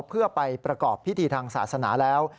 เพื่อไปประกอบพิธีทางศาสนาแล้ว